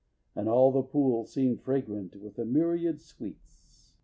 And all The pool seemed fragrant with a myriad sweets.